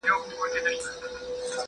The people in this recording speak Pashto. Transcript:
زه سينه سپين نه کوم!!